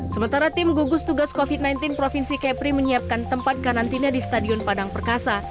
sementara tim gugus tugas covid sembilan belas provinsi kepri menyiapkan tempat karantina di stadion padang perkasa